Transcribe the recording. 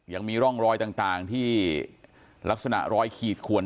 ยังมีร่องรอยต่างที่ลักษณะรอยขีดขวน